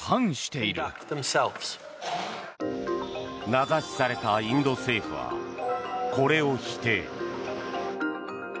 名指しされたインド政府はこれを否定。